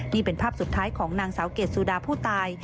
นี่เป็นภาพสุดท้ายของนางสาวเกดสุดาผู้ตาย